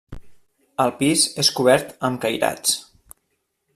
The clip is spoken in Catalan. El pis és cobert amb cairats.